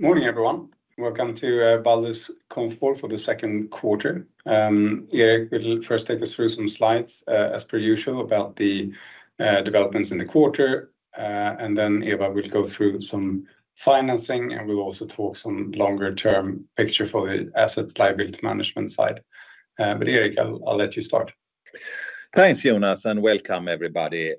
Morning, everyone. Welcome to Balder's call for the second quarter. Yeah, we'll first take us through some slides, as per usual, about the developments in the quarter. And then Eva will go through some financing, and we'll also talk some longer-term picture for the asset liability management side. But Erik, I'll let you start. Thanks, Jonas, and welcome everybody.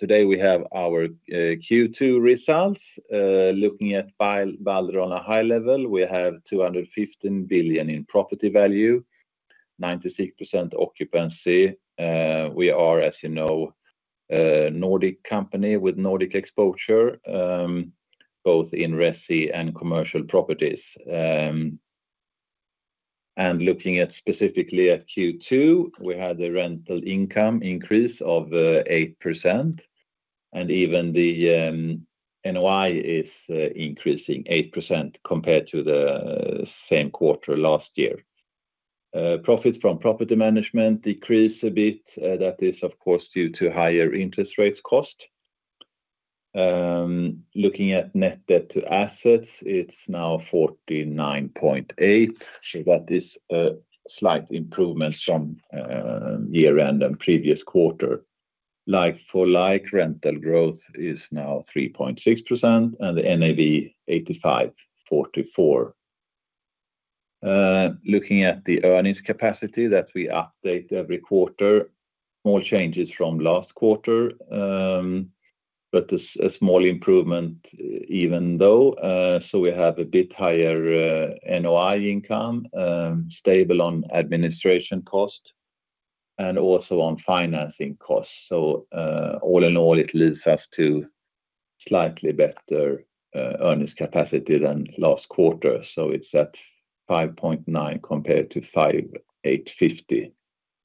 Today, we have our Q2 results. Looking at Balder on a high level, we have 215 billion in property value, 96% occupancy. We are, as you know, a Nordic company with Nordic exposure, both in resi and commercial properties. And looking at specifically at Q2, we had a rental income increase of 8%, and even the NOI is increasing 8% compared to the same quarter last year. Profit from property management decreased a bit, that is, of course, due to higher interest rates cost. Looking at net debt to assets, it's now 49.8. So that is a slight improvement from year-end and previous quarter. Like-for-like, rental growth is now 3.6%, and the NAV 85.44. Looking at the earnings capacity that we update every quarter, small changes from last quarter, but a small improvement even though. So we have a bit higher NOI income, stable on administration cost, and also on financing costs. So, all in all, it leads us to slightly better earnings capacity than last quarter. So it's at 5.9 compared to 5.850,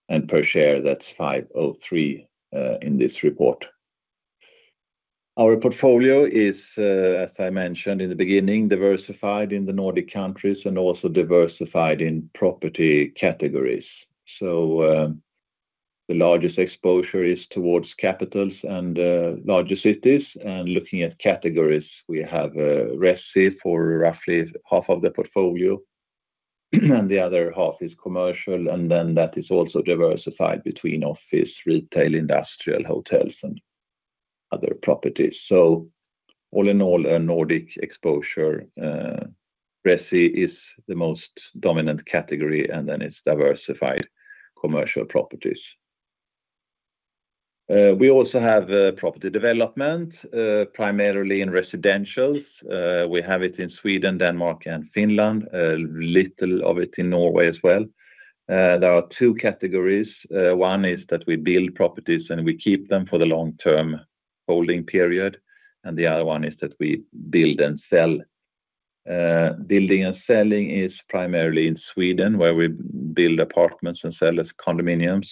and per share, that's 5.03 in this report. Our portfolio is, as I mentioned in the beginning, diversified in the Nordic countries and also diversified in property categories. So, the largest exposure is towards capitals and larger cities. Looking at categories, we have resi for roughly half of the portfolio, and the other half is commercial, and then that is also diversified between office, retail, industrial, hotels, and other properties. So all in all, a Nordic exposure, resi is the most dominant category, and then it's diversified commercial properties. We also have property development, primarily in residentials. We have it in Sweden, Denmark, and Finland, a little of it in Norway as well. There are two categories. One is that we build properties, and we keep them for the long-term holding period, and the other one is that we build and sell. Building and selling is primarily in Sweden, where we build apartments and sell as condominiums.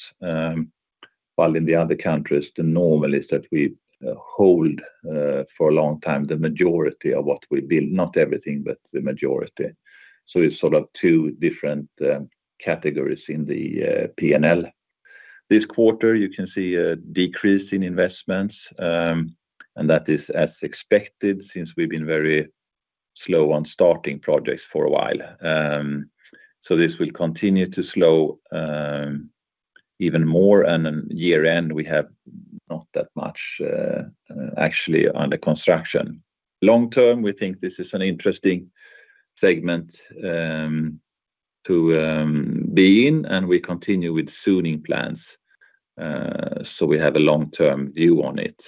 While in the other countries, the normal is that we hold for a long time the majority of what we build, not everything, but the majority. So it's sort of two different categories in the P&L. This quarter, you can see a decrease in investments, and that is as expected, since we've been very slow on starting projects for a while. So this will continue to slow even more, and then year-end, we have not that much actually under construction. Long term, we think this is an interesting segment to be in, and we continue with zoning plans, so we have a long-term view on it.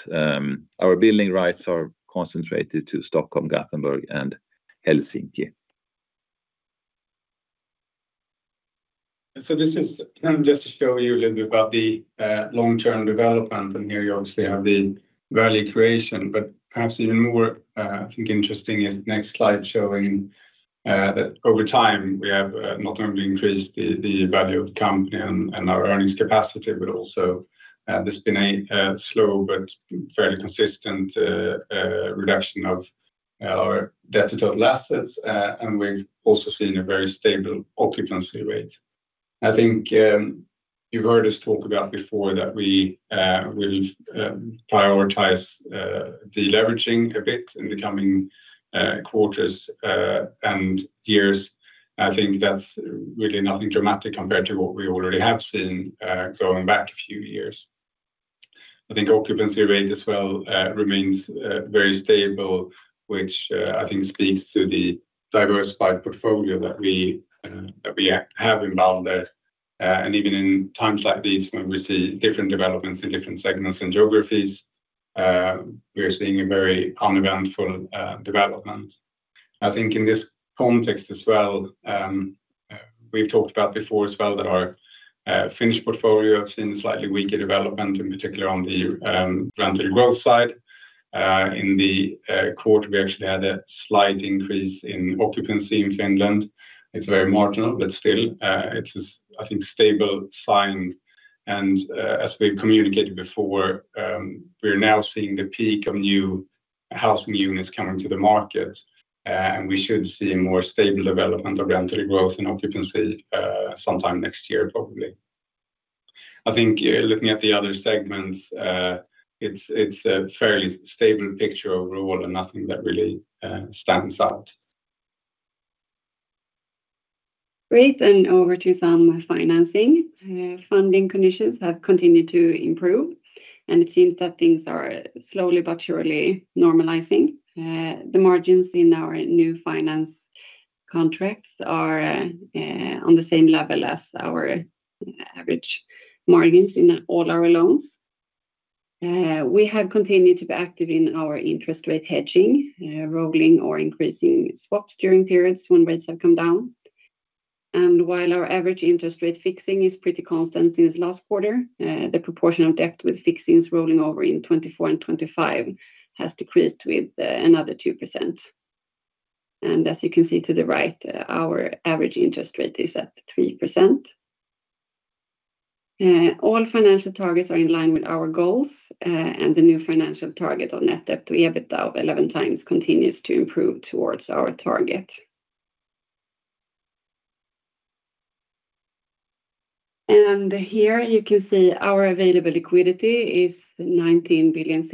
Our building rights are concentrated to Stockholm, Gothenburg, and Helsinki. So this is kind of just to show you a little bit about the long-term development, and here you obviously have the value creation. But perhaps even more, I think interesting is next slide showing that over time, we have not only increased the value of the company and our earnings capacity, but also there's been a slow but fairly consistent reduction of our debt to total assets, and we've also seen a very stable occupancy rate. I think you've heard us talk about before that we will prioritize the leveraging a bit in the coming quarters and years. I think that's really nothing dramatic compared to what we already have seen going back a few years. I think occupancy rates as well remains very stable, which I think speaks to the diversified portfolio that we have involved there. And even in times like these, when we see different developments in different segments and geographies, we are seeing a very uneventful development. I think in this context as well, we've talked about before as well, that our Finnish portfolio have seen a slightly weaker development, in particular on the rental growth side. In the quarter, we actually had a slight increase in occupancy in Finland. It's very marginal, but still, it is, I think, stable sign. As we've communicated before, we're now seeing the peak of new housing units coming to the market, and we should see more stable development of rental growth and occupancy sometime next year, probably. I think looking at the other segments, it's a fairly stable picture overall, and nothing that really stands out. Great, and over to some financing. Funding conditions have continued to improve, and it seems that things are slowly but surely normalizing. The margins in our new finance contracts are on the same level as our average margins in all our loans. We have continued to be active in our interest rate hedging, rolling or increasing swaps during periods when rates have come down. And while our average interest rate fixing is pretty constant since last quarter, the proportion of debt with fixings rolling over in 2024 and 2025 has decreased with another 2%. And as you can see to the right, our average interest rate is at 3%. All financial targets are in line with our goals, and the new financial target on net debt to EBITDA of 11x continues to improve towards our target. And here you can see our available liquidity is 19 billion.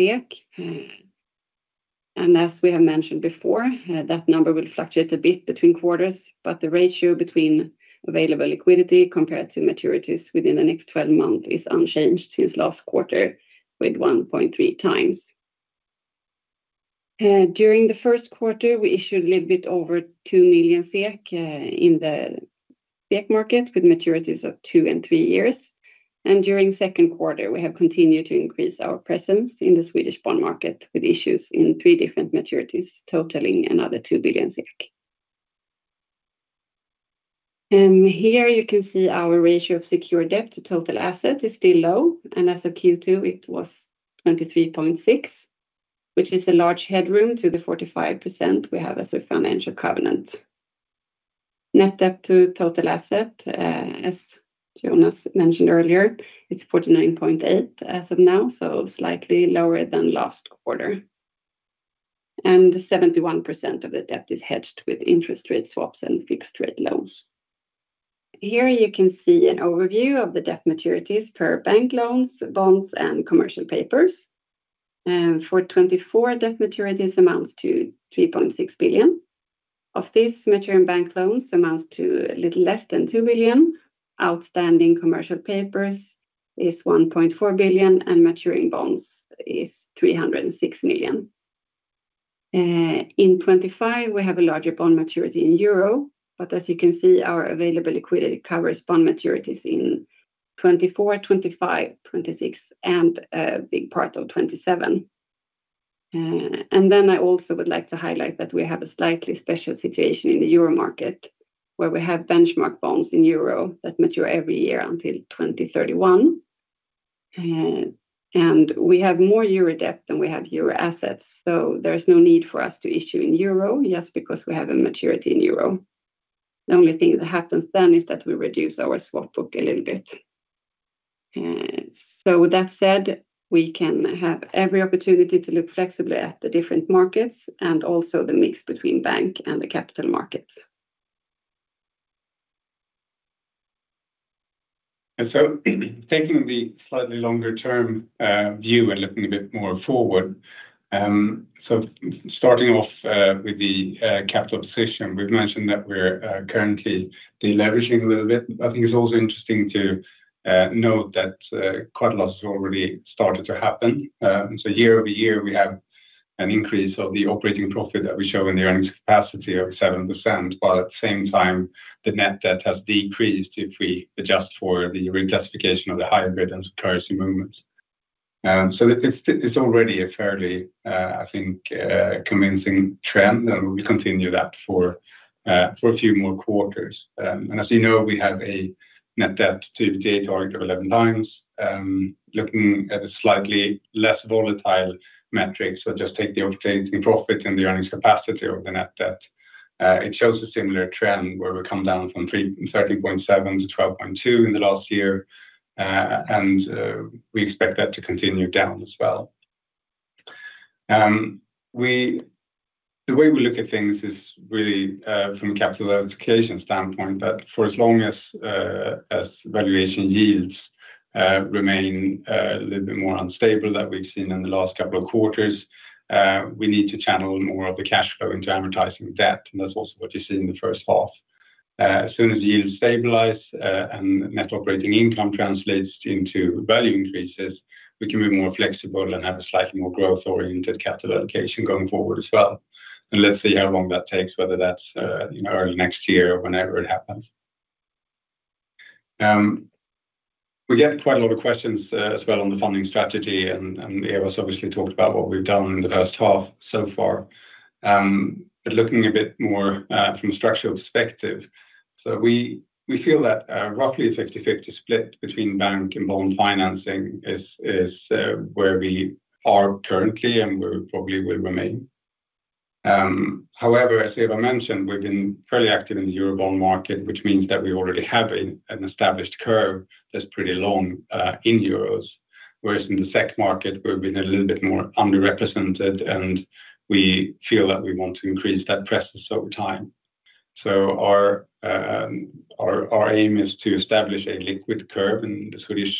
As we have mentioned before, that number will fluctuate a bit between quarters, but the ratio between available liquidity compared to maturities within the next twelve months is unchanged since last quarter, with 1.3 times. During the first quarter, we issued a little bit over 2 million in the SEK market, with maturities of two and three years. And during second quarter, we have continued to increase our presence in the Swedish bond market, with issues in three different maturities, totaling another 2 billion. And here you can see our ratio of secured debt to total asset is still low, and as of Q2, it was 23.6, which is a large headroom to the 45% we have as a financial covenant. Net debt to total asset, as Jonas mentioned earlier, it's 49.8 as of now, so slightly lower than last quarter. Seventy-one percent of the debt is hedged with interest rate swaps and fixed rate loans. Here you can see an overview of the debt maturities per bank loans, bonds, and commercial papers. For 2024, debt maturities amounts to 3.6 billion. Of this, maturing bank loans amounts to a little less than 2 billion, outstanding commercial papers is 1.4 billion, and maturing bonds is 306 million. In 2025, we have a larger bond maturity in euro, but as you can see, our available liquidity covers bond maturities in 2024, 2025, 2026, and a big part of 2027. And then I also would like to highlight that we have a slightly special situation in the euro market, where we have benchmark bonds in euro that mature every year until 2031. And we have more euro debt than we have euro assets, so there's no need for us to issue in euro, just because we have a maturity in euro. The only thing that happens then is that we reduce our swap book a little bit. So with that said, we can have every opportunity to look flexibly at the different markets and also the mix between bank and the capital markets. Taking the slightly longer term view and looking a bit more forward, so starting off with the capital position, we've mentioned that we're currently deleveraging a little bit. I think it's also interesting to note that quite a lot has already started to happen. So year-over-year, we have an increase of the operating profit that we show in the earnings capacity of 7%, while at the same time, the net debt has decreased if we adjust for the reclassification of the hybrid and currency movements. So it's already a fairly, I think, convincing trend, and we'll continue that for a few more quarters. And as you know, we have a net debt to EBITDA of 11 times. Looking at a slightly less volatile metric, so just take the operating profit and the earnings capacity of the net debt, it shows a similar trend where we come down from 13.7 to 12.2 in the last year. And we expect that to continue down as well. The way we look at things is really from a capital allocation standpoint, that for as long as valuation yields remain a little bit more unstable that we've seen in the last couple of quarters, we need to channel more of the cash flow into amortizing debt, and that's also what you see in the first half. As soon as the yields stabilize, and net operating income translates into value increases, we can be more flexible and have a slightly more growth-oriented capital allocation going forward as well. And let's see how long that takes, whether that's, you know, early next year or whenever it happens. We get quite a lot of questions, as well on the funding strategy, and, and Eva's obviously talked about what we've done in the first half so far. But looking a bit more, from a structural perspective, so we, we feel that, roughly a 50/50 split between bank and bond financing is, is, where we are currently and where we probably will remain. However, as Eva mentioned, we've been fairly active in the Eurobond market, which means that we already have an established curve that's pretty long in euros. Whereas in the SEK market, we've been a little bit more underrepresented, and we feel that we want to increase that presence over time. So our aim is to establish a liquid curve in the Swedish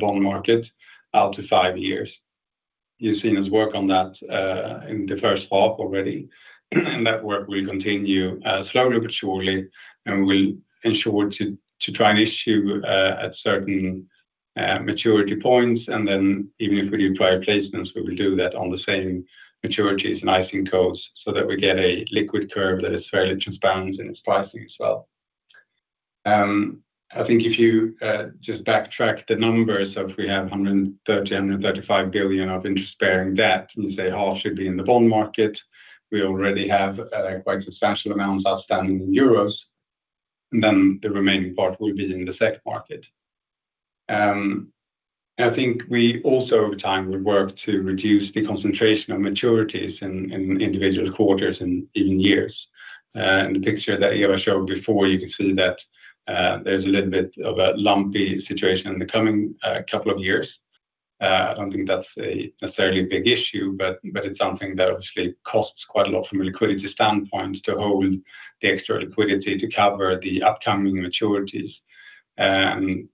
bond market out to five years. You've seen us work on that in the first half already, and that work will continue slowly but surely, and we'll ensure to try and issue at certain maturity points. And then even if we do private placements, we will do that on the same maturities and ISIN codes, so that we get a liquid curve that is fairly transparent in its pricing as well. I think if you just backtrack the numbers of we have 135 billion of interest-bearing debt, and you say, "Oh, it should be in the bond market." We already have quite substantial amounts outstanding in euros, and then the remaining part will be in the SEK market. I think we also, over time, will work to reduce the concentration of maturities in individual quarters and even years. In the picture that Eva showed before, you can see that there's a little bit of a lumpy situation in the coming couple of years. I don't think that's a necessarily big issue, but it's something that obviously costs quite a lot from a liquidity standpoint, to hold the extra liquidity to cover the upcoming maturities.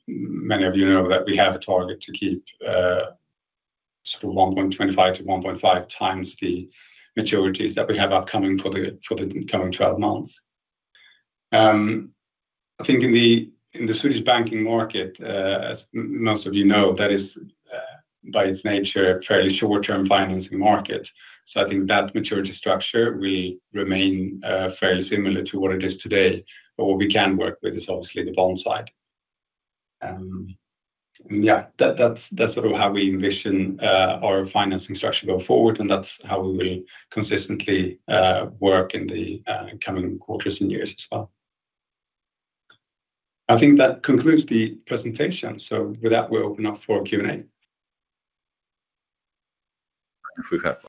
Many of you know that we have a target to keep, sort of 1.25 to 1.5 times the maturities that we have upcoming for the, for the coming 12 months. I think in the, in the Swedish banking market, as most of you know, that is, by its nature, a fairly short-term financing market. So I think that maturity structure will remain, fairly similar to what it is today, but what we can work with is obviously the bond side. Yeah, that, that's sort of how we envision, our financing structure going forward, and that's how we will consistently, work in the, coming quarters and years as well. I think that concludes the presentation, so with that, we'll open up for Q&A. If we have one.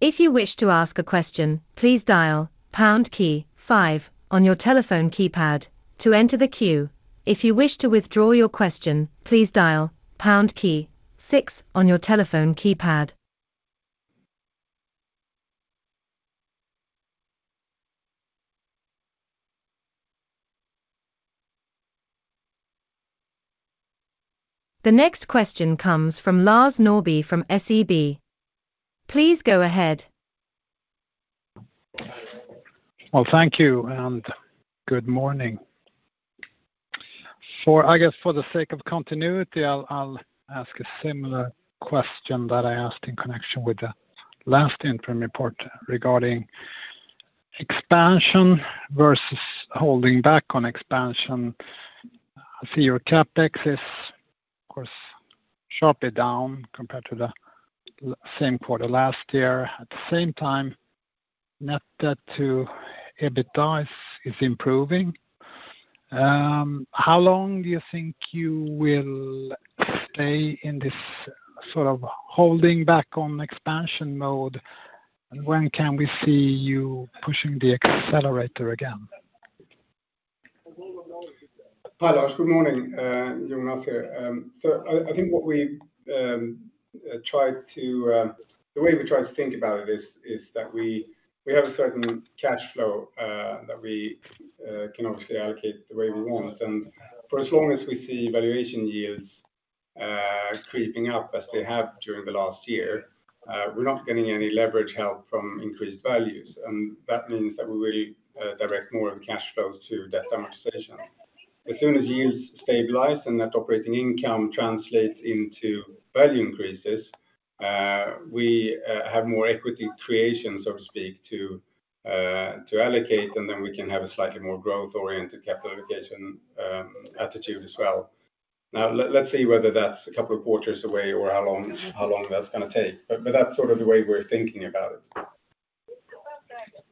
If you wish to ask a question, please dial pound key five on your telephone keypad to enter the queue. If you wish to withdraw your question, please dial pound key six on your telephone keypad. The next question comes from Lars Norrby from SEB. Please go ahead. Well, thank you, and good morning. For... I guess for the sake of continuity, I'll ask a similar question that I asked in connection with the last interim report regarding expansion versus holding back on expansion. I see your CapEx is, of course, sharply down compared to the same quarter last year. At the same time, net debt to EBITDA is improving. How long do you think you will stay in this sort of holding back on expansion mode, and when can we see you pushing the accelerator again? Hi, Lars. Good morning, Jonas here. So I think the way we tried to think about it is that we have a certain cash flow that we can obviously allocate the way we want. And for as long as we see valuation yields creeping up, as they have during the last year, we're not getting any leverage help from increased values, and that means that we will direct more of cash flows to debt amortization. As soon as yields stabilize and that operating income translates into value increases, we have more equity creation, so to speak, to allocate, and then we can have a slightly more growth-oriented capital allocation attitude as well. Now, let's see whether that's a couple of quarters away or how long, how long that's gonna take, but, but that's sort of the way we're thinking about it.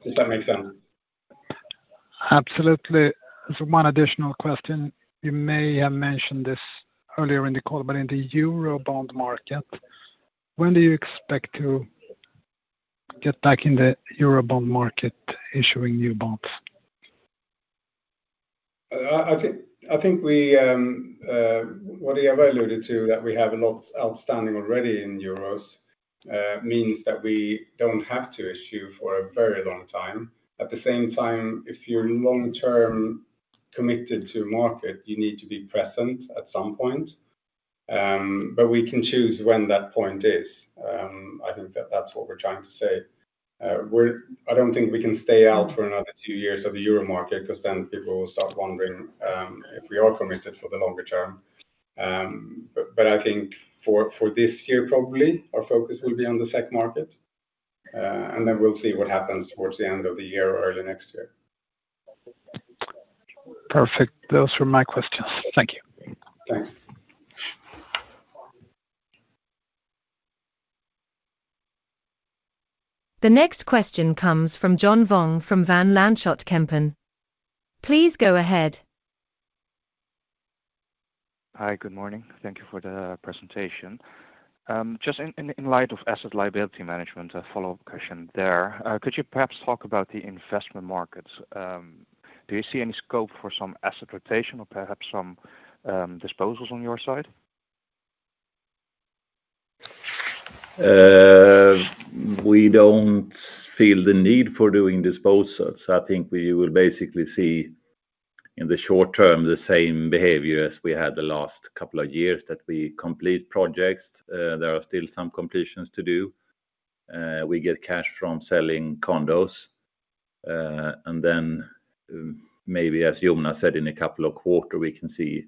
Does that make sense? Absolutely. So one additional question, you may have mentioned this earlier in the call, but in the Eurobond market, when do you expect to get back in the Eurobond market, issuing new bonds? I think we have a lot outstanding already in euros, means that we don't have to issue for a very long time. At the same time, if you're long-term committed to market, you need to be present at some point, but we can choose when that point is. I think that that's what we're trying to say. We're. I don't think we can stay out for another two years of the Euro market, because then people will start wondering, if we are committed for the longer term. But I think for this year, probably, our focus will be on the SEK market, and then we'll see what happens towards the end of the year or early next year. Perfect. Those were my questions. Thank you. Thanks. The next question comes from John Vuong from Van Lanschot Kempen. Please go ahead. Hi, good morning. Thank you for the presentation. Just in light of asset liability management, a follow-up question there. Could you perhaps talk about the investment markets? Do you see any scope for some asset rotation or perhaps some disposals on your side?... We don't feel the need for doing disposals. I think we will basically see, in the short term, the same behavior as we had the last couple of years that we complete projects. There are still some completions to do. We get cash from selling condos, and then, maybe, as Jonas said, in a couple of quarters, we can see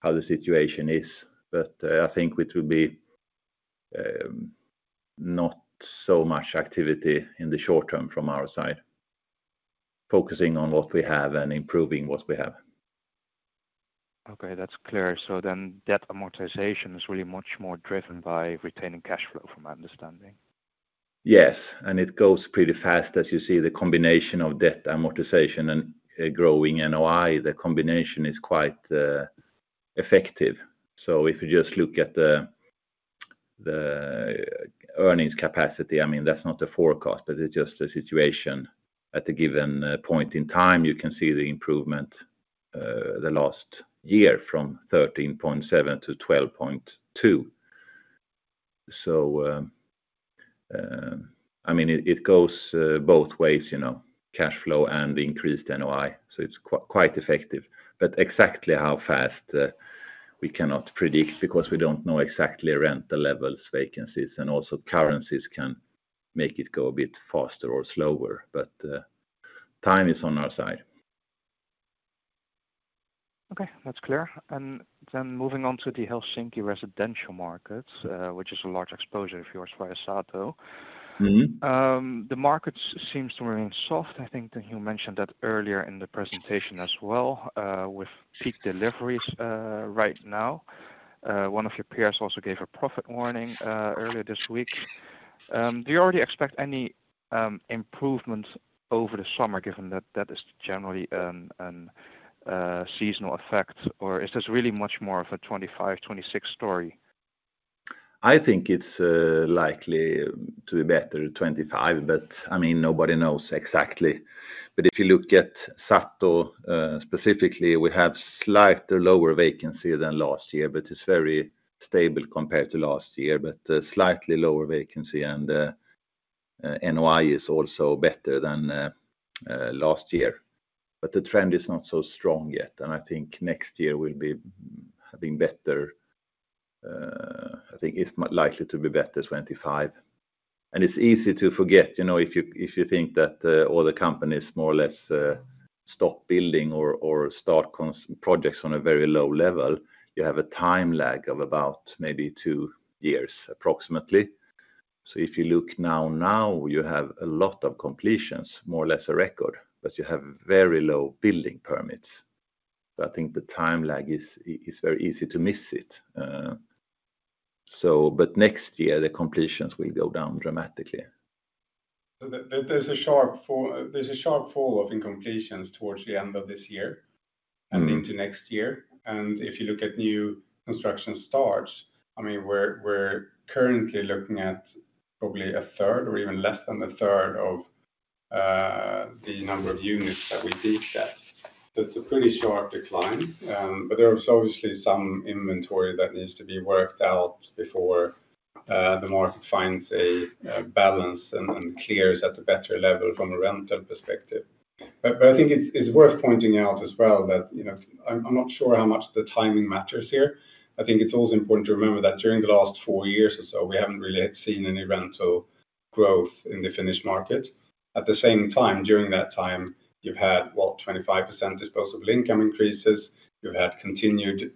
how the situation is. But, I think it will be not so much activity in the short term from our side. Focusing on what we have and improving what we have. Okay, that's clear. So then debt amortization is really much more driven by retaining cash flow, from my understanding. Yes, and it goes pretty fast. As you see, the combination of debt amortization and growing NOI, the combination is quite effective. So if you just look at the earnings capacity, I mean, that's not the forecast, but it's just the situation. At a given point in time, you can see the improvement the last year from 13.7 to 12.2. So, I mean, it goes both ways, you know, cash flow and the increased NOI, so it's quite effective. But exactly how fast we cannot predict, because we don't know exactly rental levels, vacancies, and also currencies can make it go a bit faster or slower, but time is on our side. Okay, that's clear. And then moving on to the Helsinki residential markets, which is a large exposure of yours via Sato. Mm-hmm. The markets seems to remain soft. I think that you mentioned that earlier in the presentation as well, with peak deliveries right now. One of your peers also gave a profit warning earlier this week. Do you already expect any improvement over the summer, given that that is generally a seasonal effect, or is this really much more of a 2025-2026 story? I think it's likely to be better in 2025, but I mean, nobody knows exactly. But if you look at Sato specifically, we have slightly lower vacancy than last year, but it's very stable compared to last year. But slightly lower vacancy, and NOI is also better than last year. But the trend is not so strong yet, and I think next year will be having better. I think it's more likely to be better, 2025. And it's easy to forget, you know, if you think that all the companies more or less stop building or start construction projects on a very low level, you have a time lag of about maybe two years, approximately. So if you look now, you have a lot of completions, more or less a record, but you have very low building permits. So I think the time lag is very easy to miss it, so but next year, the completions will go down dramatically. There's a sharp fall, there's a sharp fall-off in completions towards the end of this year- Mm. and into next year. And if you look at new construction starts, I mean, we're currently looking at probably a third or even less than a third of the number of units that we see set. That's a pretty sharp decline, but there is obviously some inventory that needs to be worked out before the market finds a balance and clears at a better level from a rental perspective. But I think it's worth pointing out as well that, you know, I'm not sure how much the timing matters here. I think it's also important to remember that during the last four years or so, we haven't really had seen any rental growth in the Finnish market. At the same time, during that time, you've had, what, 25% disposable income increases, you've had continued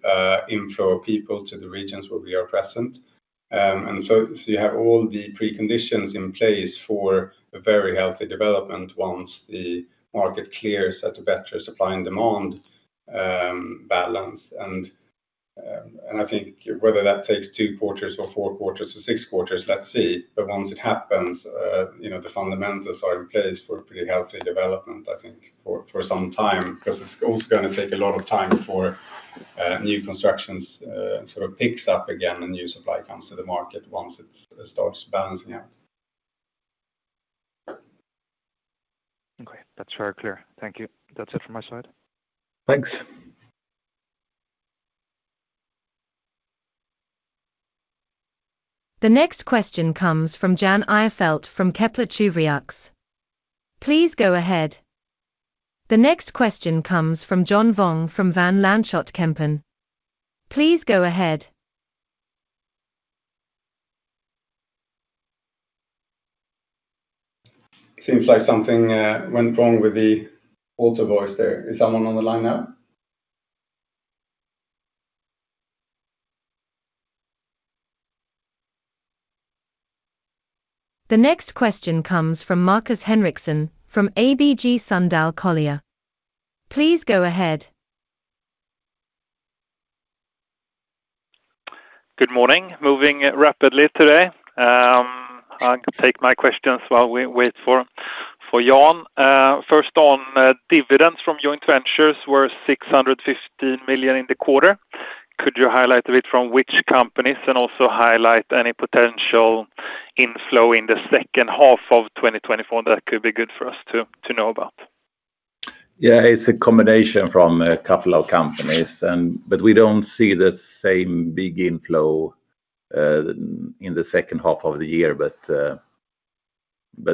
inflow of people to the regions where we are present. So you have all the preconditions in place for a very healthy development once the market clears at a better supply and demand balance. And I think whether that takes two quarters or four quarters or six quarters, let's see. But once it happens, you know, the fundamentals are in place for a pretty healthy development, I think, for some time, because it's also gonna take a lot of time for new constructions sort of picked up again, and new supply comes to the market once it starts balancing out. Okay, that's very clear. Thank you. That's it from my side. Thanks. The next question comes from Jan Ihrfelt, from Kepler Cheuvreux. Please go ahead. The next question comes from John Vuong, from Van Lanschot Kempen. Please go ahead. Seems like something went wrong with the auto voice there. Is someone on the line now? The next question comes from Markus Henriksson from ABG Sundal Collier. Please go ahead. Good morning. Moving rapidly today. I'll take my questions while we wait for Jan. First on dividends from your ventures were 615 million in the quarter. Could you highlight a bit from which companies, and also highlight any potential inflow in the second half of 2024 that could be good for us to know about?... Yeah, it's a combination from a couple of companies and, but we don't see the same big inflow in the second half of the year. But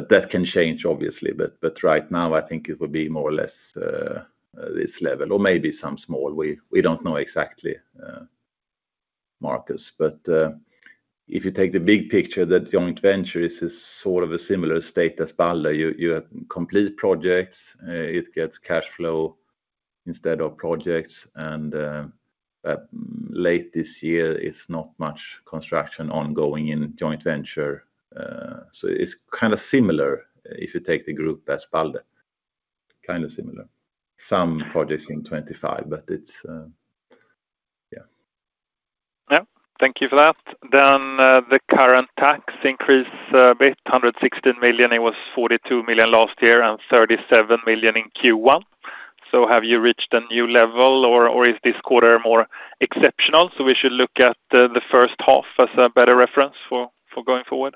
that can change, obviously. But right now, I think it will be more or less this level or maybe some small. We don't know exactly, Marcus. But if you take the big picture, the joint venture is sort of a similar state as Balder. You have complete projects, it gets cash flow instead of projects, and late this year, it's not much construction ongoing in joint venture. So it's kind of similar if you take the group as Balder. Kind of similar. Some projects in 2025, but it's yeah. Yeah. Thank you for that. Then, the current tax increase with 116 million, it was 42 million last year and 37 million in Q1. So have you reached a new level or is this quarter more exceptional? So we should look at the first half as a better reference for going forward.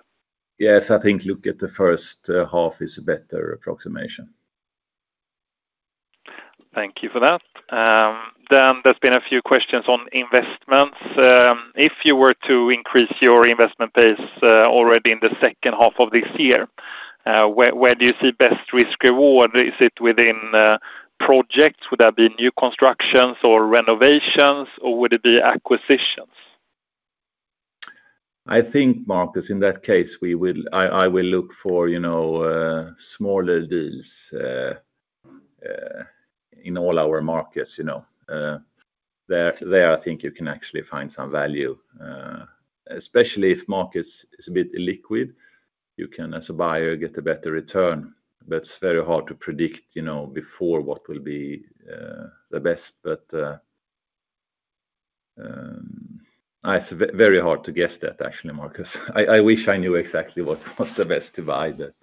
Yes, I think look at the first half is a better approximation. Thank you for that. Then there's been a few questions on investments. If you were to increase your investment pace already in the second half of this year, where do you see best risk reward? Is it within projects? Would that be new constructions or renovations, or would it be acquisitions? I think, Marcus, in that case, I will look for, you know, smaller deals in all our markets, you know, there, I think you can actually find some value, especially if markets is a bit illiquid. You can, as a buyer, get a better return, but it's very hard to predict, you know, before what will be the best. But, it's very hard to guess that, actually, Markus. I, I wish I knew exactly what was the best to buy, but,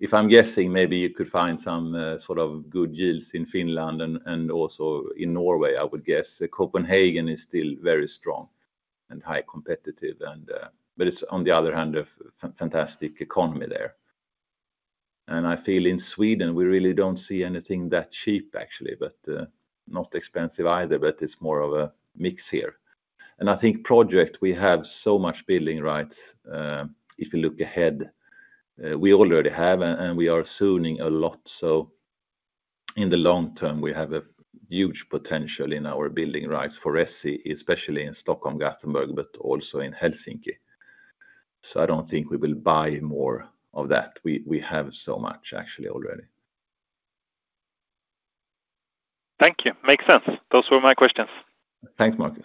if I'm guessing, maybe you could find some sort of good deals in Finland and also in Norway, I would guess. Copenhagen is still very strong and high competitive and, but it's on the other hand, a fantastic economy there. And I feel in Sweden, we really don't see anything that cheap, actually, but not expensive either, but it's more of a mix here. And I think project, we have so much building, right? If you look ahead, we already have, and we are zoning a lot. So in the long term, we have a huge potential in our building rights for resi, especially in Stockholm, Gothenburg, but also in Helsinki. So I don't think we will buy more of that. We have so much actually already. Thank you. Makes sense. Those were my questions. Thanks, Markus.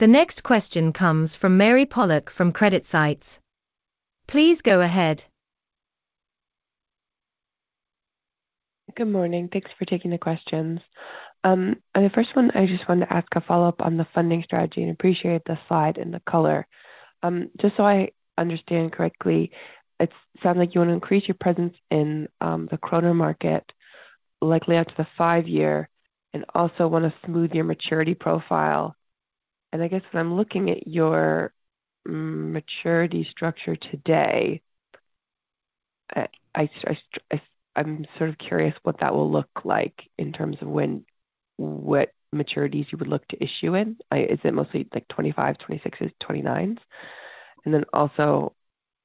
The next question comes from Mary Pollock, from CreditSights. Please go ahead. Good morning. Thanks for taking the questions. And the first one, I just wanted to ask a follow-up on the funding strategy, and appreciate the slide and the color. Just so I understand correctly, it sounds like you want to increase your presence in the Krona market, likely out to the 5-year, and also want to smooth your maturity profile. And I guess when I'm looking at your maturity structure today, I'm sort of curious what that will look like in terms of when, what maturities you would look to issue in. Is it mostly, like, 25, 26, 29s? And then also,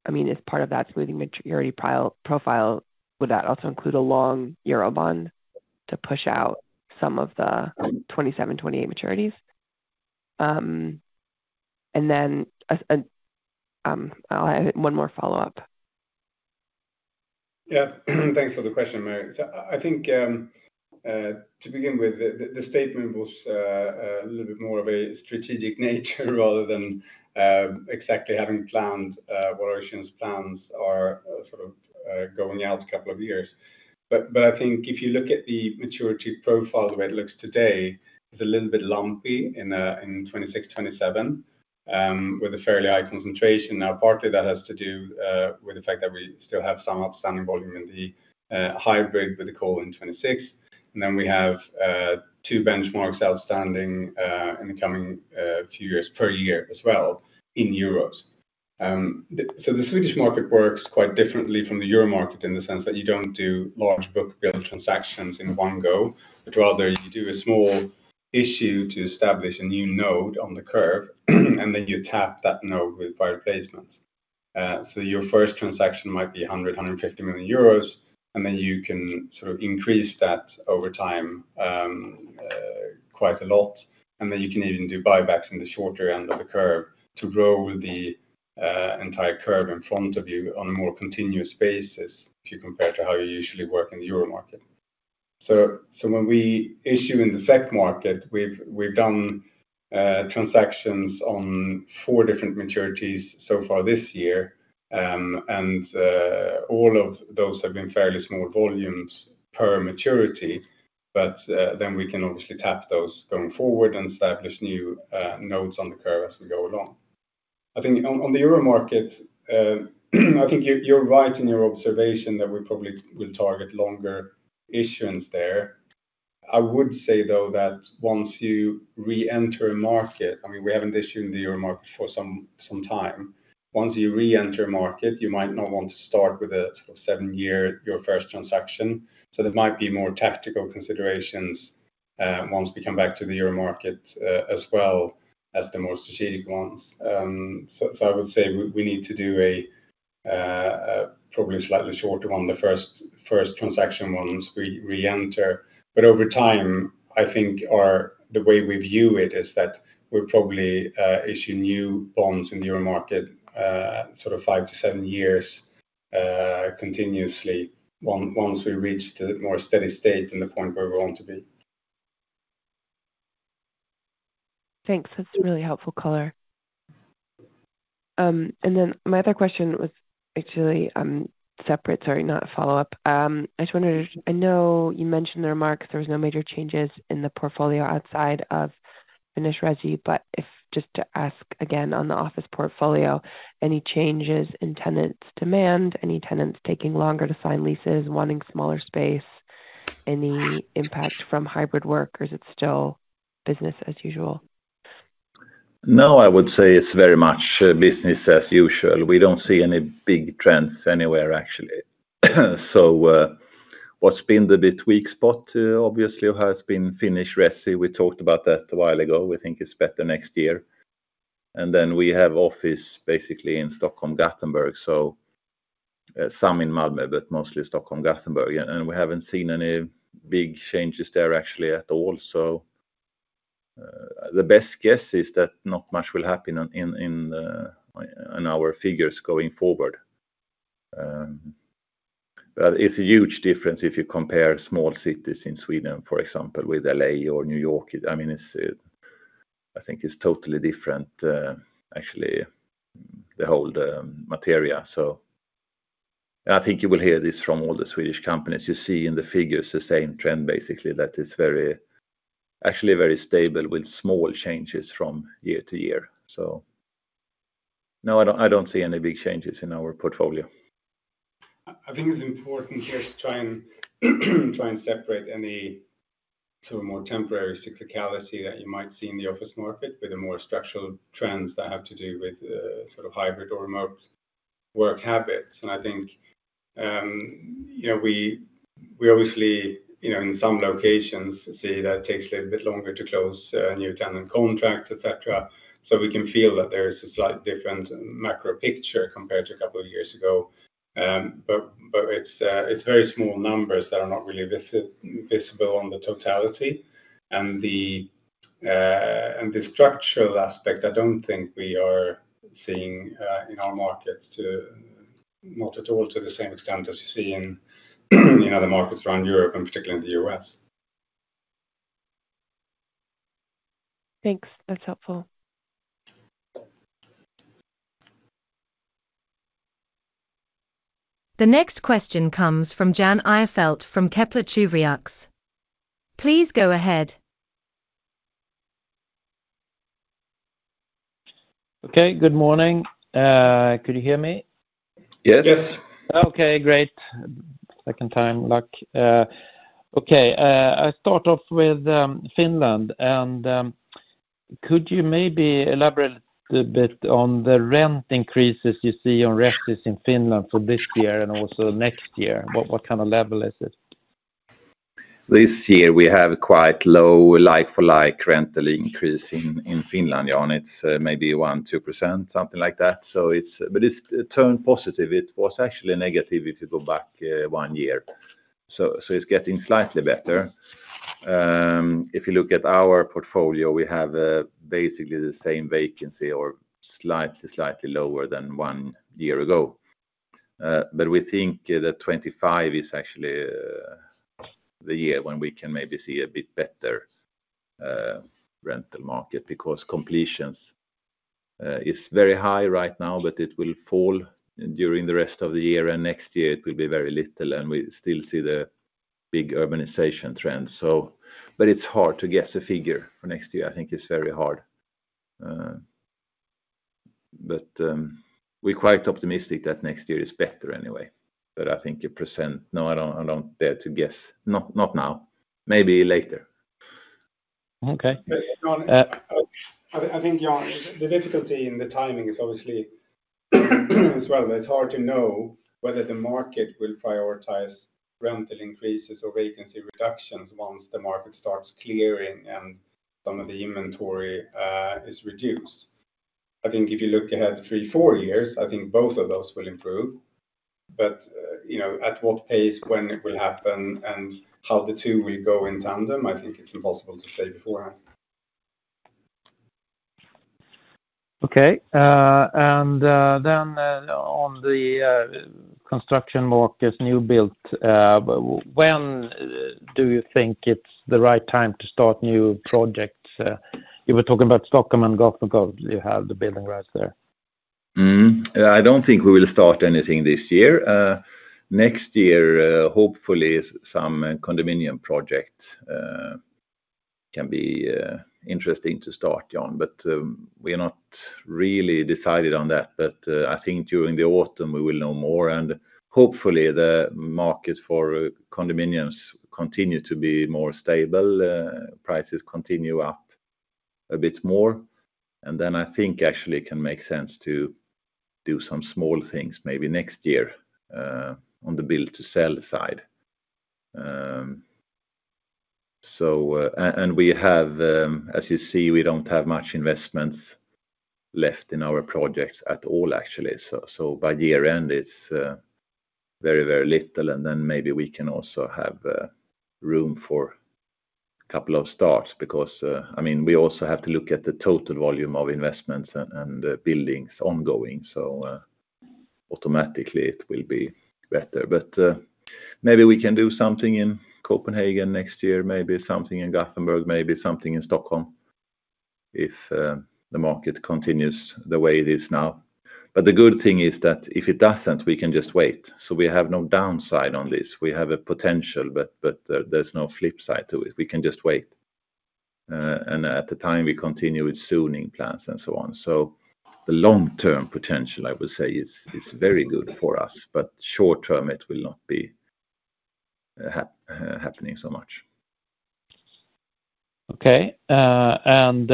I mean, as part of that smoothing maturity profile, would that also include a long euro bond to push out some of the 27, 28 maturities? And then, I'll add one more follow-up. Yeah. Thanks for the question, Mary. So I think, to begin with, the statement was a little bit more of a strategic nature rather than exactly having planned what our plans are, sort of, going out a couple of years. But I think if you look at the maturity profile, the way it looks today, it's a little bit lumpy in 2026, 2027 with a fairly high concentration. Now, partly that has to do with the fact that we still have some outstanding volume in the hybrid with the call in 2026. And then we have two benchmarks outstanding in the coming two years per year as well in euros. So the Swedish market works quite differently from the euro market in the sense that you don't do large book build transactions in one go, but rather you do a small issue to establish a new node on the curve, and then you tap that node with private replacements. So your first transaction might be 100 million-150 million euros, and then you can sort of increase that over time, quite a lot. And then you can even do buybacks in the shorter end of the curve to grow the entire curve in front of you on a more continuous basis, if you compare to how you usually work in the euro market. So when we issue in the SEK market, we've done transactions on four different maturities so far this year, and all of those have been fairly small volumes per maturity. But then we can obviously tap those going forward and establish new nodes on the curve as we go along. I think on the euro market, I think you're right in your observation that we probably will target longer issuance there.... I would say, though, that once you reenter a market, I mean, we haven't issued in the euro market for some time. Once you reenter a market, you might not want to start with a sort of 7-year, your first transaction, so there might be more tactical considerations, once we come back to the euro market, as well as the more strategic ones. So I would say we need to do a probably a slightly shorter one, the first transaction once we reenter. But over time, I think our—the way we view it, is that we'll probably issue new bonds in the euro market, sort of 5-7 years, continuously, once we reach the more steady state and the point where we want to be. Thanks. That's really helpful color. And then my other question was actually, separate, sorry, not a follow-up. I just wondered, I know you mentioned the remarks, there was no major changes in the portfolio outside of Finnish resi, but if just to ask again on the office portfolio, any changes in tenants' demand? Any tenants taking longer to sign leases, wanting smaller space? Any impact from hybrid work, or is it still business as usual? No, I would say it's very much, business as usual. We don't see any big trends anywhere, actually. So, what's been the bit weak spot, obviously, has been Finnish resi. We talked about that a while ago. We think it's better next year. And then we have office basically in Stockholm, Gothenburg, so, some in Malmö, but mostly Stockholm, Gothenburg. Yeah, and we haven't seen any big changes there, actually, at all. So, the best guess is that not much will happen in our figures going forward. But it's a huge difference if you compare small cities in Sweden, for example, with L.A. or New York. I mean, it's, I think it's totally different, actually, the whole, material. So... And I think you will hear this from all the Swedish companies. You see in the figures, the same trend, basically, that is very, actually very stable, with small changes from year to year. No, I don't, I don't see any big changes in our portfolio. I think it's important here to try and separate any sort of more temporary cyclicality that you might see in the office market, with the more structural trends that have to do with sort of hybrid or remote work habits. And I think, you know, we obviously, you know, in some locations, see that takes a little bit longer to close new tenant contract, et cetera. So we can feel that there's a slight different macro picture compared to a couple of years ago. But it's very small numbers that are not really visible on the totality. And the structural aspect, I don't think we are seeing in our markets not at all to the same extent as you see in other markets around Europe and particularly in the U.S. Thanks. That's helpful. The next question comes from Jan Ihrfelt from Kepler Cheuvreux. Please go ahead. Okay, good morning. Could you hear me? Yes. Yes. Okay, great. Second time luck. Okay, I start off with Finland, and could you maybe elaborate a bit on the rent increases you see on rentals in Finland for this year and also next year? What, what kind of level is it? This year we have quite low like-for-like rental increase in, in Finland, Jan. It's maybe 1-2%, something like that. So it's but it's turned positive. It was actually negative if you go back one year. So it's getting slightly better. If you look at our portfolio, we have basically the same vacancy or slightly, slightly lower than one year ago. But we think that 2025 is actually the year when we can maybe see a bit better rental market, because completions is very high right now, but it will fall during the rest of the year, and next year it will be very little, and we still see the big urbanization trends, so... But it's hard to guess a figure for next year. I think it's very hard. But we're quite optimistic that next year is better anyway. But I think a percent, no, I don't, I don't dare to guess. Not now. Maybe later. Okay. Jan, I think, Jan, the difficulty in the timing is obviously, as well, it's hard to know whether the market will prioritize rental increases or vacancy reductions once the market starts clearing and some of the inventory is reduced. I think if you look ahead 3, 4 years, I think both of those will improve. But, you know, at what pace, when it will happen, and how the two will go in tandem, I think it's impossible to say beforehand. Okay, and then on the construction markets, new build, when do you think it's the right time to start new projects? You were talking about Stockholm and Gothenburg, you have the building rights there. Mm-hmm. I don't think we will start anything this year. Next year, hopefully some condominium projects can be interesting to start, John, but we are not really decided on that. But I think during the autumn we will know more, and hopefully the market for condominiums continue to be more stable, prices continue up a bit more, and then I think actually it can make sense to do some small things maybe next year, on the build to sell side. So, and we have, as you see, we don't have much investments left in our projects at all, actually. So by year end, it's very, very little, and then maybe we can also have room for a couple of starts. Because, I mean, we also have to look at the total volume of investments and buildings ongoing, so, automatically it will be better. But, maybe we can do something in Copenhagen next year, maybe something in Gothenburg, maybe something in Stockholm, if, the market continues the way it is now. But the good thing is that if it doesn't, we can just wait, so we have no downside on this. We have a potential, but there, there's no flip side to it. We can just wait. And at the time, we continue with zoning plans and so on. So the long-term potential, I would say, is very good for us, but short-term, it will not be happening so much. Okay. And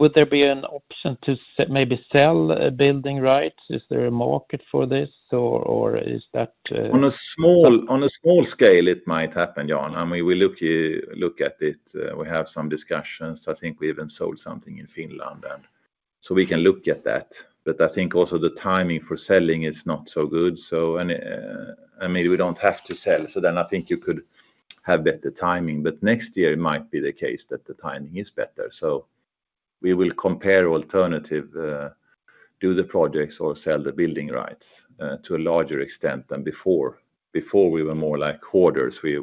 would there be an option to maybe sell building rights? Is there a market for this, or is that On a small scale, it might happen, John. I mean, we look here, look at it, we have some discussions. I think we even sold something in Finland, and so we can look at that. But I think also the timing for selling is not so good. So and, and maybe we don't have to sell, so then I think you could have better timing. But next year it might be the case that the timing is better, so we will compare alternative, do the projects or sell the building rights, to a larger extent than before. Before we were more like hoarders, we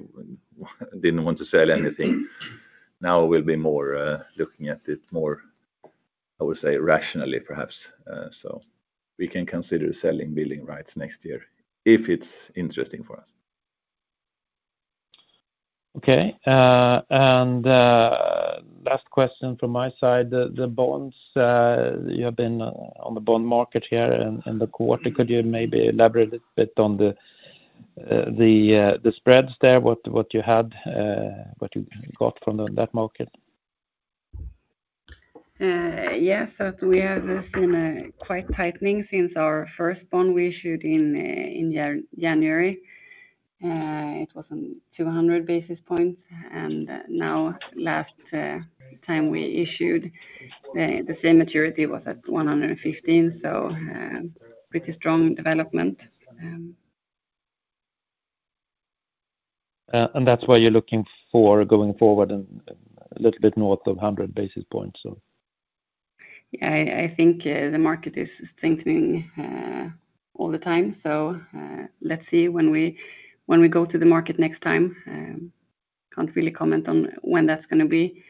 didn't want to sell anything. Now, we'll be more, looking at it more, I would say, rationally, perhaps. So we can consider selling building rights next year if it's interesting for us. Okay, and last question from my side. The bonds, you have been on the bond market here in the quarter. Could you maybe elaborate a bit on the spreads there, what you had, what you got from that market? Yes, so we have seen a quite tightening since our first bond we issued in January. It was on 200 basis points, and now last time we issued, the same maturity was at 115, so pretty strong development. And that's why you're looking for going forward and a little bit north of 100 basis points, so? Yeah, I think the market is strengthening all the time. So, let's see when we go to the market next time. Can't really comment on when that's gonna be.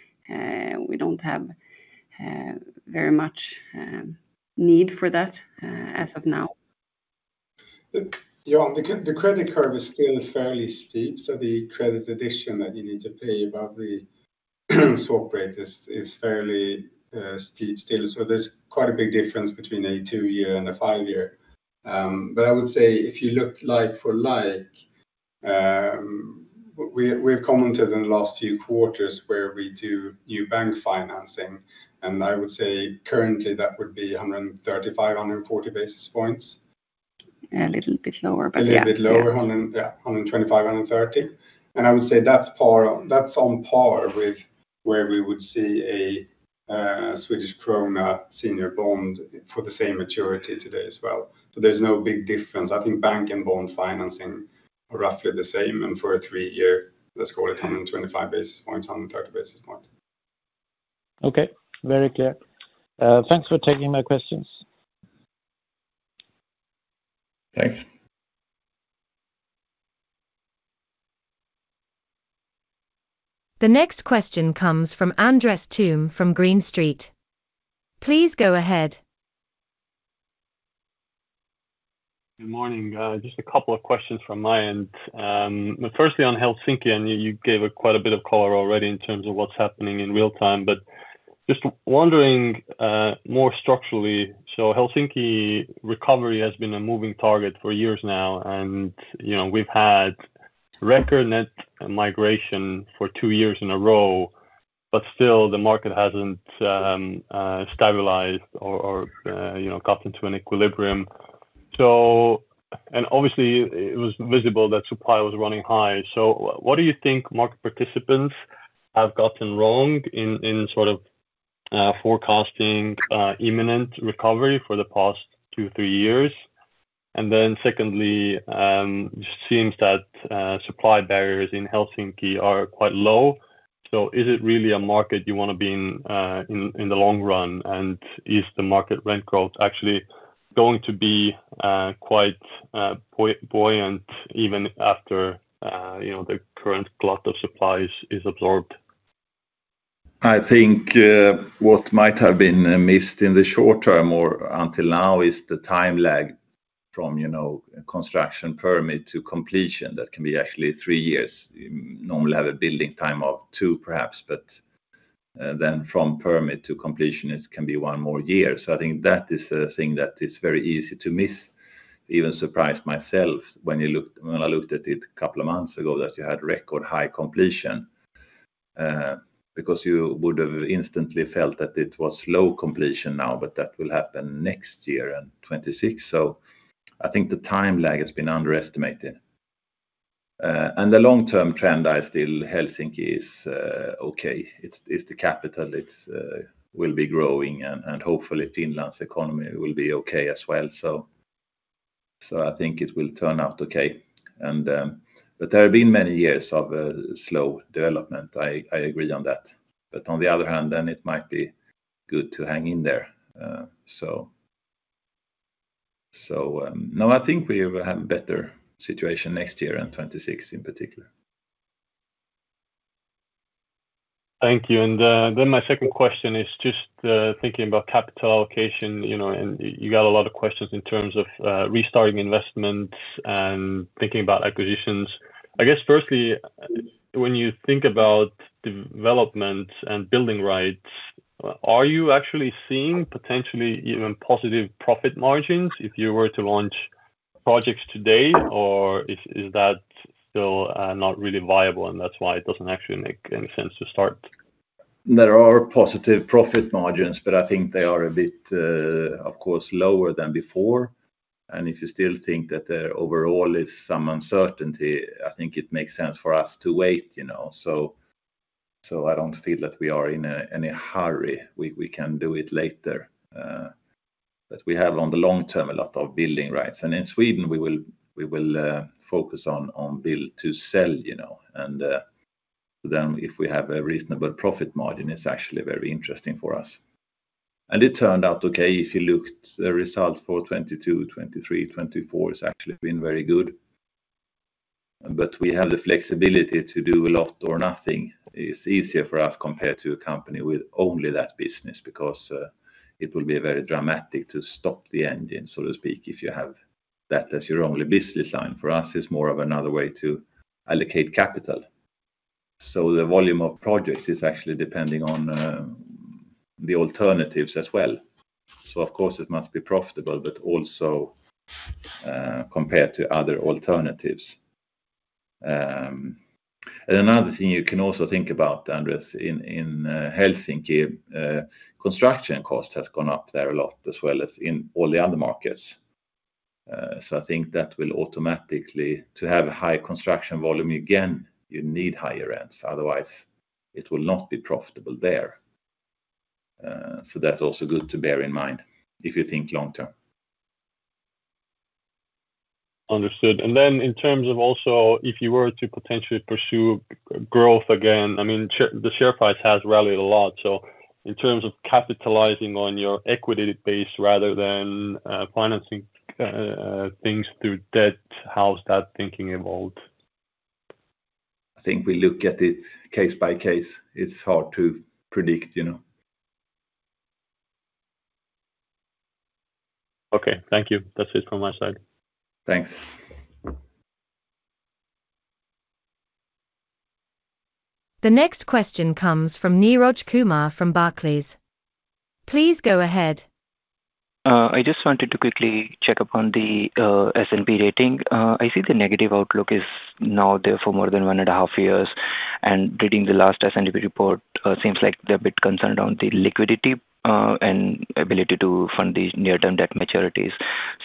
We don't have very much need for that as of now. John, the credit curve is still fairly steep, so the credit addition that you need to pay about the swap rate is fairly steep still. So there's quite a big difference between a 2-year and a 5-year. But I would say if you look like for like, we've commented in the last few quarters where we do new bank financing, and I would say currently, that would be 135-140 basis points. A little bit lower, but yeah. A little bit lower, 100, yeah, 125, 130. And I would say that's on par with where we would see a Swedish krona senior bond for the same maturity today as well. So there's no big difference. I think bank and bond financing are roughly the same, and for a 3-year, let's call it 125 basis points, 130 basis points. Okay. Very clear. Thanks for taking my questions. Thanks. The next question comes from Andres Toome, from Green Street. Please go ahead. Good morning. Just a couple of questions from my end. Firstly, on Helsinki, I know you gave quite a bit of color already in terms of what's happening in real time, but just wondering, more structurally. So Helsinki recovery has been a moving target for years now, and, you know, we've had record net migration for two years in a row, but still the market hasn't stabilized or, you know, gotten to an equilibrium. So, and obviously, it was visible that supply was running high. So what do you think market participants have gotten wrong in sort of forecasting imminent recovery for the past two, three years? And then secondly, seems that supply barriers in Helsinki are quite low, so is it really a market you wanna be in in the long run? And is the market rent growth actually going to be quite buoyant, even after, you know, the current glut of supply is absorbed? I think what might have been missed in the short term or until now is the time lag from, you know, construction permit to completion, that can be actually 3 years. You normally have a building time of 2, perhaps, but then from permit to completion, it can be 1 more year. So I think that is a thing that is very easy to miss. Even surprised myself when I looked at it a couple of months ago, that you had record high completion, because you would have instantly felt that it was low completion now, but that will happen next year in 2026. So I think the time lag has been underestimated. The long-term trend, I still think Helsinki is okay. It's the capital, it will be growing, and hopefully Finland's economy will be okay as well. So I think it will turn out okay, but there have been many years of slow development. I agree on that. But on the other hand, then it might be good to hang in there. So no, I think we will have a better situation next year in 2026, in particular. Thank you. And, then my second question is just, thinking about capital allocation, you know, and you got a lot of questions in terms of, restarting investments and thinking about acquisitions. I guess, firstly, when you think about development and building rights, are you actually seeing potentially even positive profit margins if you were to launch projects today, or is that still, not really viable, and that's why it doesn't actually make any sense to start? There are positive profit margins, but I think they are a bit, of course, lower than before. And if you still think that there overall is some uncertainty, I think it makes sense for us to wait, you know. So, so I don't feel that we are in any hurry. We, we can do it later, but we have, on the long term, a lot of building rights. And in Sweden, we will, we will, focus on, on build to sell, you know, and, then if we have a reasonable profit margin, it's actually very interesting for us. And it turned out okay. If you looked the results for 2022, 2023, 2024, it's actually been very good. But we have the flexibility to do a lot or nothing. It's easier for us compared to a company with only that business, because it will be very dramatic to stop the engine, so to speak, if you have that as your only business line. For us, it's more of another way to allocate capital. The volume of projects is actually depending on the alternatives as well. Of course, it must be profitable, but also compared to other alternatives. Another thing you can also think about, Andres, in Helsinki, construction cost has gone up there a lot, as well as in all the other markets. So I think that will automatically. To have a high construction volume, again, you need higher rents, otherwise it will not be profitable there. That's also good to bear in mind if you think long term. Understood. And then in terms of also, if you were to potentially pursue growth again, I mean, the share price has rallied a lot. So in terms of capitalizing on your equity base rather than financing things through debt, how has that thinking evolved? I think we look at it case by case. It's hard to predict, you know? Okay, thank you. That's it from my side. Thanks. The next question comes from Neeraj Kumar from Barclays. Please go ahead. I just wanted to quickly check up on the S&P rating. I see the negative outlook is now there for more than one and a half years, and reading the last S&P report, seems like they're a bit concerned on the liquidity, and ability to fund these near-term debt maturities.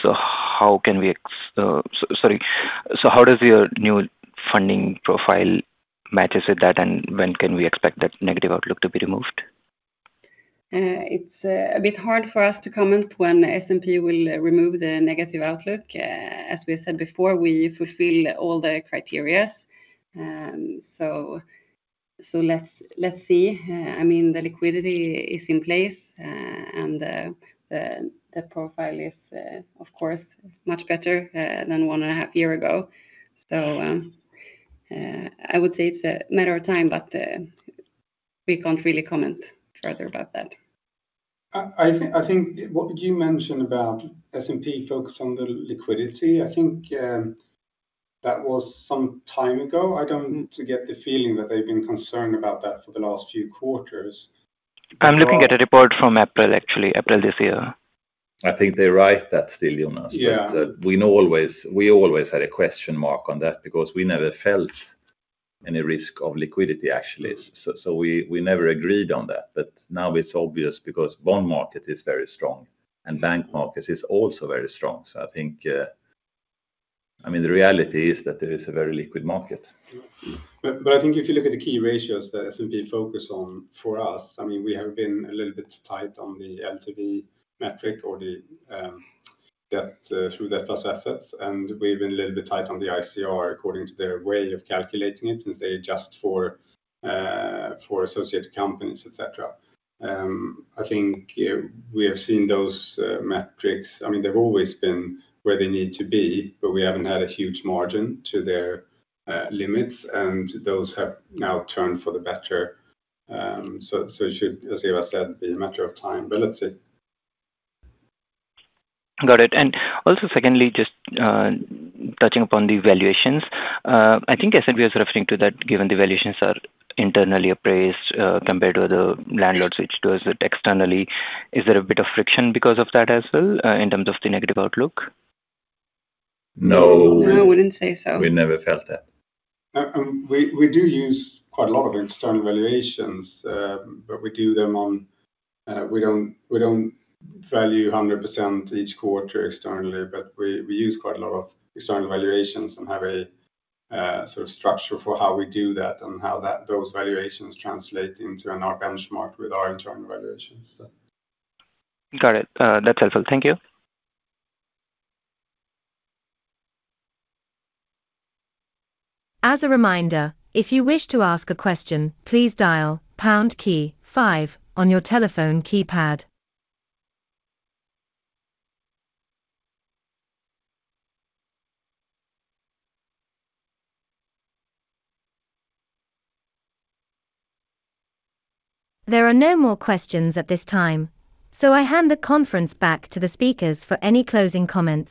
So how does your new funding profile matches with that, and when can we expect that negative outlook to be removed? It's a bit hard for us to comment when S&P will remove the negative outlook. As we said before, we fulfill all the criteria. So let's see. I mean, the liquidity is in place, and the profile is, of course, much better than 1.5 years ago. So I would say it's a matter of time, but we can't really comment further about that. I think, I think what you mentioned about S&P focus on the liquidity, I think, that was some time ago. I don't want to get the feeling that they've been concerned about that for the last few quarters. I'm looking at a report from April, actually, April this year. I think they write that still, Jonas. Yeah. But, we always had a question mark on that because we never felt any risk of liquidity, actually. So, we never agreed on that, but now it's obvious because bond market is very strong and bank market is also very strong. So I think, I mean, the reality is that there is a very liquid market. But, but I think if you look at the key ratios that S&P focus on for us, I mean, we have been a little bit tight on the LTV metric or the debt to debt plus assets, and we've been a little bit tight on the ICR according to their way of calculating it, and they adjust for for associate companies, et cetera. I think we have seen those metrics. I mean, they've always been where they need to be, but we haven't had a huge margin to their limits, and those have now turned for the better. So, so it should, as you have said, be a matter of time, but let's see. Got it. And also, secondly, just, touching upon the valuations. I think S&P was referring to that, given the valuations are internally appraised, compared to the landlords which does it externally. Is there a bit of friction because of that as well, in terms of the negative outlook? No. No, I wouldn't say so. We never felt that. We do use quite a lot of external valuations, but we do them on. We don't value 100% each quarter externally, but we use quite a lot of external valuations and have a sort of structure for how we do that and how that those valuations translate into in our benchmark with our internal valuations, so. Got it. That's helpful. Thank you. As a reminder, if you wish to ask a question, please dial pound key five on your telephone keypad. There are no more questions at this time, so I hand the conference back to the speakers for any closing comments.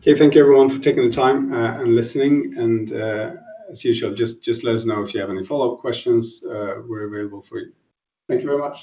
Okay. Thank you everyone for taking the time, and listening, and, as usual, just let us know if you have any follow-up questions. We're available for you. Thank you very much.